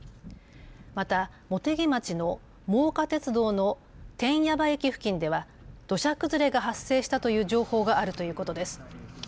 また茂木町の真岡鐵道の天矢場駅付近では土砂崩れが発生したという情報があるということです。